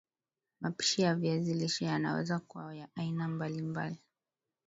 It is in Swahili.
Mapishi ya viazi lishe yanaweza kuwa ya aina mbali mbal